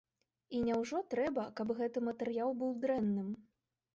І няўжо трэба, каб гэты матэрыял быў дрэнным?